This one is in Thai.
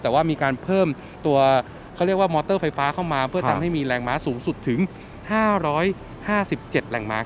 แต่ว่ามีการเพิ่มตัวเขาเรียกว่ามอเตอร์ไฟฟ้าเข้ามาเพื่อทำให้มีแรงม้าสูงสุดถึง๕๕๗แหล่งม้า